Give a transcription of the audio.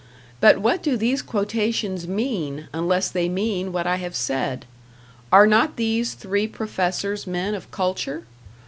But what do these quotations mean, unless they mean what I have said? Are not these three professors men of culture?